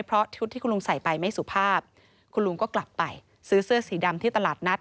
เพราะชุดที่คุณลุงใส่ไปไม่สุภาพคุณลุงก็กลับไปซื้อเสื้อสีดำที่ตลาดนัด